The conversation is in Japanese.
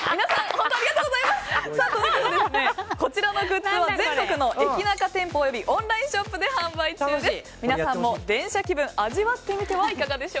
こちらのグッズは全国の駅ナカ店舗よりオンラインショップで販売中です。